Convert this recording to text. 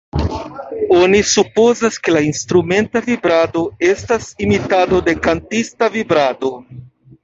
Oni supozas, ke la instrumenta vibrado estas imitado de kantista vibrado.